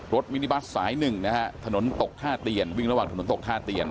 มินิบัสสายหนึ่งนะฮะถนนตกท่าเตียนวิ่งระหว่างถนนตกท่าเตียน